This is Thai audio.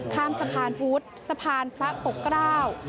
ข้ามสะพานพุทธสะพานพระปกเกล้า